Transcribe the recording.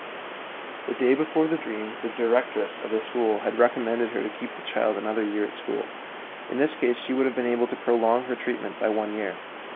The day before the dream the directress of the school had recommended her to keep the child another year at school. In this case she would have been able to prolong her treatment by one year.